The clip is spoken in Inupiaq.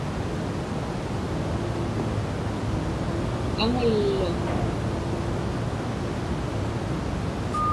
aŋullu